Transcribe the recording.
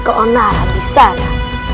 keonara di sana